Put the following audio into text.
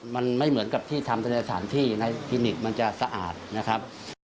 มันไม่เหมือนกับที่ทำไปในสถานที่ในคลินิกมันจะสะอาดนะครับ